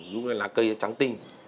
lúc đấy lá cây nó trắng tinh